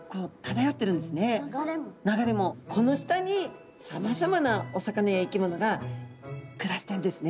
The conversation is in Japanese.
この下にさまざまなお魚や生き物が暮らしてるんですね。